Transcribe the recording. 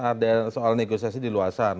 ada soal negosiasi di luasan